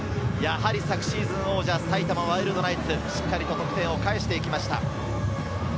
昨シーズン王者・埼玉ワイルドナイツ、しっかりと得点を返していきました。